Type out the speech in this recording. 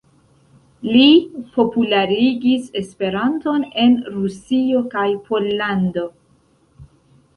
Li popularigis Esperanton en Rusio kaj Pollando.